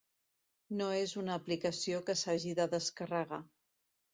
No és una aplicació que s'hagi de descarregar.